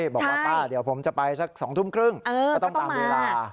บอกว่าป้าเดี๋ยวผมจะไป๒ทุ่มครึ่งก็ต้องตามเวลาโอเคไม่ต้องมา